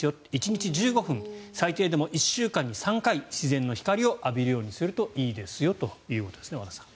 １日１５分最低でも１週間に３回自然の光を浴びるようにするといいですよということです。